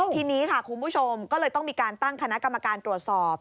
ทีนี้ค่ะคุณผู้ชมก็เลยต้องมีการตั้งคณะกรรมการตรวจสอบ